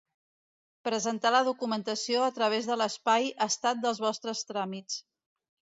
Presentar la documentació a través de l'espai Estat dels vostres tràmits.